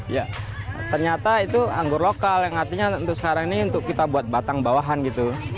ya ternyata itu anggur lokal yang artinya untuk sekarang ini untuk kita buat batang bawahan gitu